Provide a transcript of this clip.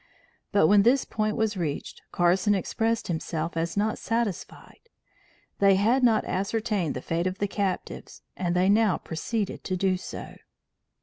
But when this point was reached, Carson expressed himself as not satisfied: they had not ascertained the fate of the captives and they now proceeded to do so.